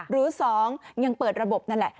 หรือ๒ยังเปิดระบบนั่นแหละ